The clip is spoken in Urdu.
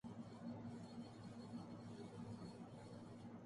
شوٹنگ کے دوران اکشے کمار ہاتھی کے فضلے سے تیار چائے پی گئے